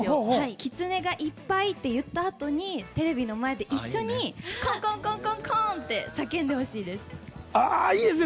「キツネがいっぱい」って言ったあとにテレビの前で一緒にコンコンコンコン！って叫んでほしいです。